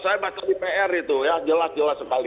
saya baca di pr itu ya jelas jelas sekali